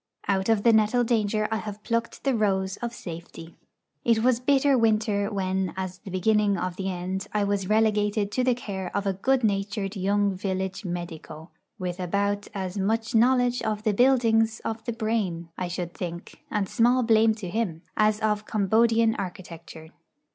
Out of the nettle danger I have plucked the rose of safety. It was bitter winter when, as the beginning of the end, I was relegated to the care of a good natured young village medico, with about as much knowledge of the buildings of the brain, I should think (and small blame to him), as of Cambodian architecture.